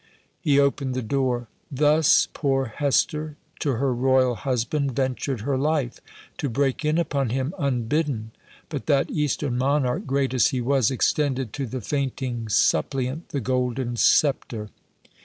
He opened the door: "Thus poor Hester, to her royal husband, ventured her life, to break in upon him unbidden. But that eastern monarch, great as he was, extended to the fainting suppliant the golden sceptre!"